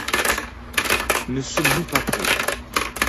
Ne sommes-nous pas prêts?